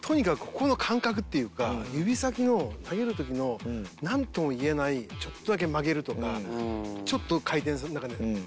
とにかくここの感覚っていうか指先の投げる時のなんともいえないちょっとだけ曲げるとかちょっと回転させるなんかね。